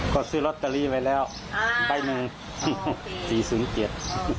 ก็ซื้อลอตเตอรี่ไปแล้วอ่าใบหนึ่งสี่ศูนย์เจ็ด